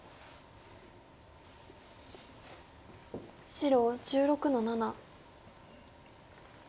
白１６の七。